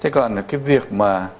thế còn cái việc mà